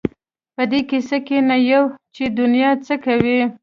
په دې کيسه کې نه یو چې دنیا څه کوي.